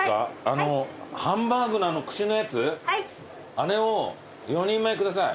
あれを４人前下さい。